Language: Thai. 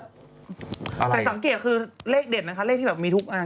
แต่สังเกตคือเลขเด็ดนะคะเลขที่แบบมีทุกอัน